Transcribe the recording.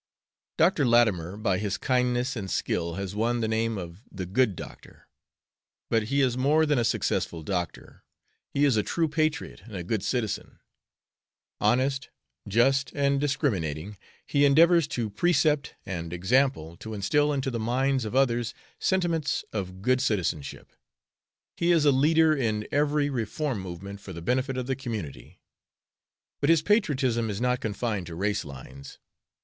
Doctor Latimer by his kindness and skill has won the name of the "Good Doctor." But he is more than a successful doctor; he is a true patriot and a good citizen. Honest, just, and discriminating, he endeavors by precept and example to instill into the minds of others sentiments of good citizenship. He is a leader in every reform movement for the benefit of the community; but his patriotism is not confined to race lines.